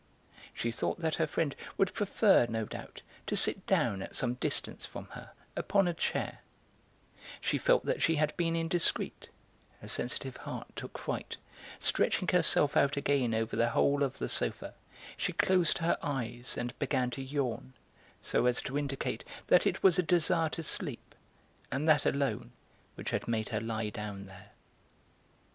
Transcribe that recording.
She thought that her friend would prefer, no doubt, to sit down at some distance from her, upon a chair; she felt that she had been indiscreet; her sensitive heart took fright; stretching herself out again over the whole of the sofa, she closed her eyes and began to yawn, so as to indicate that it was a desire to sleep, and that alone, which had made her lie down there.